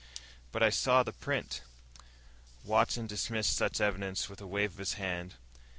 "But I saw the print." Watson dismissed such evidence with a wave of his hand.